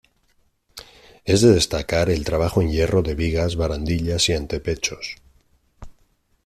Es de destacar el trabajo en hierro de vigas, barandillas y antepechos.